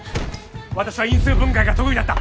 私は因数分解が得意だった。